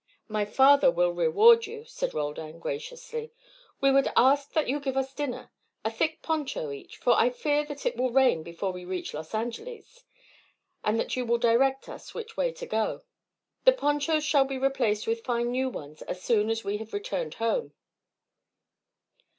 "My father will reward you," said Roldan, graciously. "We would ask that you give us dinner, a thick poncho each, for I fear that it will rain before we reach Los Angeles, and that you will direct us which way to go. The ponchos shall be replaced with fine new ones as soon as we have returned home."